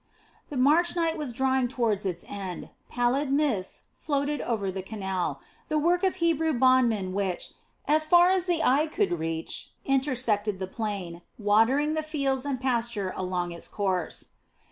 The March night was drawing toward its end, pallid mists floated over the canal, the work of Hebrew bondmen which, as far as the eye could reach, intersected the plain, watering the fields and pastures along its course.